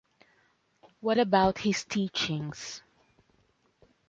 What about His teachings?